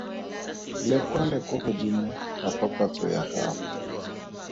Le kwale kwa godimo ga papatso ya gago.